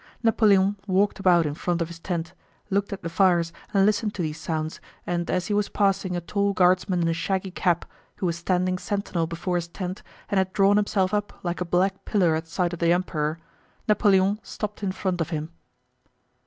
Napoleon walked about in front of his tent, looked at the fires and listened to these sounds, and as he was passing a tall guardsman in a shaggy cap, who was standing sentinel before his tent and had drawn himself up like a black pillar at sight of the Emperor, Napoleon stopped in front of him.